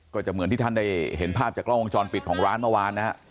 ก็จะเหมือนที่ท่านได้เห็นภาพจากกล้องวงจรปิดของร้านเมื่อวานนะฮะ